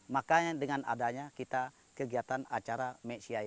makanya dengan adanya kita kegiatan acara meksyai